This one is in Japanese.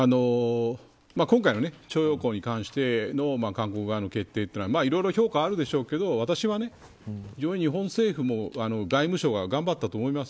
今回の徴用工に関しての韓国側の決定というのはいろいろ評価あるでしょうけど私は非常に日本政府も外務省が頑張ったと思います。